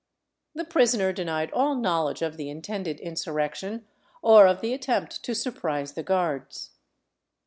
The prisoner denied all knowledge of the intended insurrection, or of the attempt to surprise the guards.